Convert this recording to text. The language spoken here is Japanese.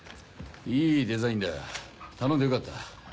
いいデザインだ頼んでよかった。